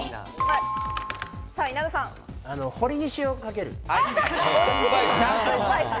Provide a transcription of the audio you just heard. ほりにしをかける。